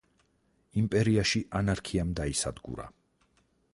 იმპერიაში ანარქიამ დაისადგურა.